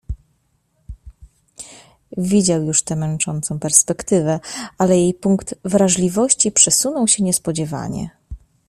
Widział już tę męczącą perspektywę, ale jej punkt wrażliwości przesunął się nie spodziewanie.